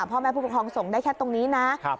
พ่อแม่ผู้ปกครองส่งได้แค่ตรงนี้นะ